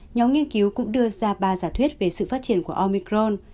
nhóm nghiên cứu cũng đưa ra ba giả thuyết về sự phát triển của omicron